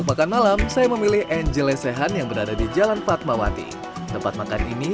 pake tempe itu kabul mem halls singa pertukaran uang atau potongan untuk di tempat makan ini